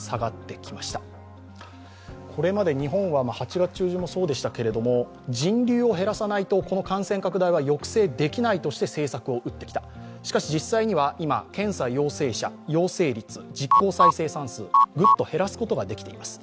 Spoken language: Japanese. これまで日本は８月中旬もそうでしたけれども人流を減らさないと感染拡大は抑制できないとして政策を打ってきた、しかし実際には今、検査陽性者、陽性率実効再生産数、グッと減らすことができています。